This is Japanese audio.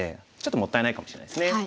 もったいないかもしれないですね。